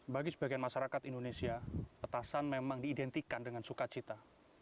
bagi sebagian masyarakat indonesia petasan memang diidentikan dengan sukacita